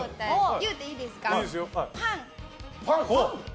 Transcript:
言うていいですか。